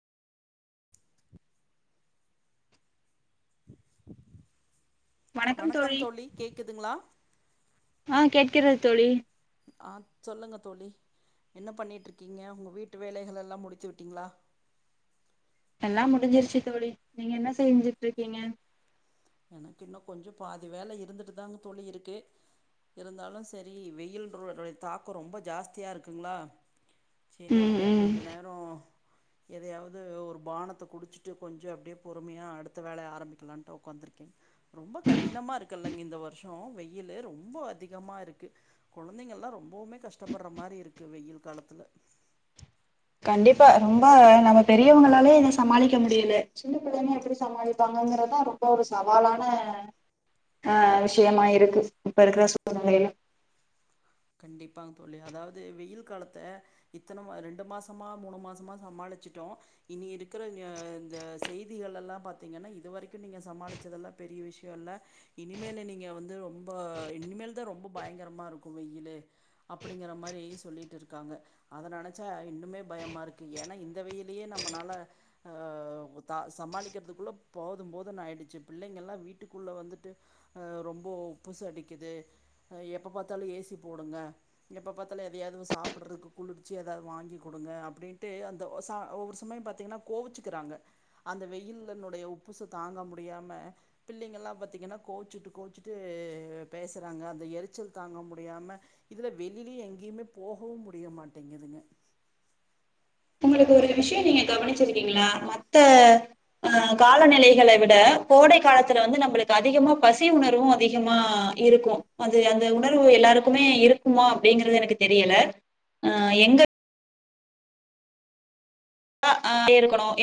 வணக்கம் தோழி கேக்குதுங்களா ஆ, கேட்கிறது தோழி ஆ, சொல்லுங்க தோழி என்ன பண்ணிட்ருக்கீங்க உங்க வீட்டு வேலைகள் எல்லா முடிச்சி விட்டீங்களா எல்லா முடிஞ்சிருச்சு தோழி நீங்க என்ன செஞ்சுட்ருக்கீங்க எனக்கு இன்னு கொஞ்சோ பாதி வேல இருந்துட்டுதாங் தோழி இருக்கு இருந்தாலும் சரி வெயில் ரோ ரோல் தாக்கோ ரொம்ப ஜாஸ்தியா இருக்குங்களா சரி ம் அப்டியே ம் கொஞ்ச நேரோ எதையாவது ஒரு பானத்த குடிச்சிட்டு கொஞ்சோ அப்டியே பொறுமையா அடுத்த வேல ஆரம்பிக்கலான்ட்டு உக்காந்துருக் [unintelligible] ரொம்ப கடினமா இருக்குல்லலைங்க இந்த வருஷ்ஷோ வெயில ரொம்ப் ரொம்ப அதிகமா இருக்கு கொழந்தைங்க எல்லா ரொம்பவுமே கஷ்டப்படுற மாரி இருக்கு வெயில் காலத்துல கண்டிப்பா ரொம்ப நம்ம பெரியவங்களாலே இத சமாளிக்க முடியல சின்ன பிள்ளையம எப்படி சமாளிப்பாங்கங்கறதான் ரொம்ப ஒரு சவாலான அ விஷயமா இருக்கு இப்ப இருக்கிற சூழ்நிலையில கண்டிப்பாகங் தோழி அதாவது வெயில் காலத்த இத்தன ரெண்டு மாசமா மூணு மாசமா சமாளிச்சட்டோ இனி இருக்கிற ஆ இந்த செய்திகள்ளெல்லா பாத்தீங்கன்னா இது வரைக்கும் நீங்கள் சமாளித்ததெல்லா பெரிய விஷ்யோ இல்ல இனிமேல் நீங்க வந்து ரொம்ப இனிமேல் தான் ரொம்ப பயங்கரமாருக்கு வெயில் யிலே அப்படிங்கற மாரி சொல்லிட்டு இருக்காங்க அத நெனைச்சா இன்னுமே பயமா இருக்கு ஏன்னா இந்த வெயிலையே நம்மளால ஆ தா சமாளிக்கிறதுக்குள்ள போதும் போதும் ஆயிடுச்சி பிள்ளைங்கலா வீட்டுக்குள்ள வந்துட்டு ஆ ரொம்போ உப்புசோ அடிக்குது அ எப்ப பாத்தாலு ஏ சிப் போடுங்க எப்போ பாத்தால எதையாவது சாப்பிட்றக்கு குளிர்ச்சி எதாவது வாங்கி குடுங்க அப்டின்ட்டு அந்த சா ஒவ்வொரு சமயம் பாத்திங்கன்னா கோவிச்சுக்கிறாங்க அந்த வெயிலனுுடைய உப்புச தாங்க முடியாம பிள்ளைங்கள்லா பாத்திங்கன்னா கோவிச்சுட்டு கோவச்சிட்டு பேசுறாங்க அந்த எரிச்சல் தாங்க முடியாம இதுல வெளிலயு எங்கேயுமே போகவு முடிய மாட்டேங்குதுங்க உங்களுக்கு ஒரு விஷியே நீங்க கவனிச்சிருக்கீங்களா மத்த அ காலநிலைகள விட கோடை காலத்துல வந்து நம்மளுக்கு அதிகமா பசி உணர்வு அதிகமா இருக்கு அது அந்த உணர்வு எல்லாருக்குமே இருக்குமா அப்டிங்கறது எனக்கு தெரியல அ எங்கக் ஆ [inaudible] இருக்கணு எ